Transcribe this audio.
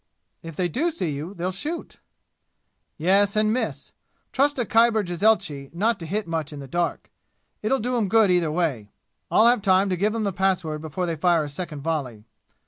"If they do see you, they'll shoot!" "Yes, and miss! Trust a Khyber jezailchi not to hit much in the dark! It'll do 'em good either way. I'll have time to give 'em the password before they fire a second volley.